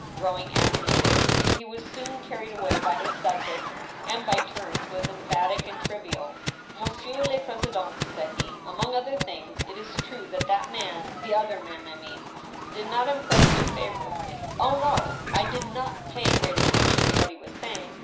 Growing animated, he was soon carried away by his subject, and by turns was em phatic and trivial. M<msi€ur le president,'* said he, among other things, "it is true that that man— the other man I mean — did not impress me fa« vorably. ... Oh, no !... I did not pay great attention to what he was saying